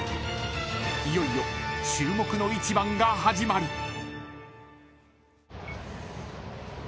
［いよいよ注目の一番が始まる］